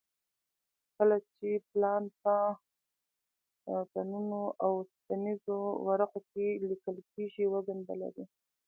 کله چې پلان په ټنونو اوسپنیزو ورقو کې لیکل کېږي وزن به لري